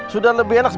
sudah lebih baik ya